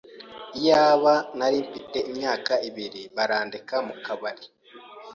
Iyaba narimfite imyaka ibiri, barandeka mukabari.